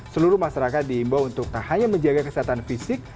seluruh masyarakat diimbau untuk tak hanya menjaga kesehatan fisik